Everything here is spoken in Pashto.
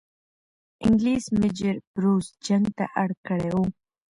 انګلیس میجر بروز جنگ ته اړ کړی وو.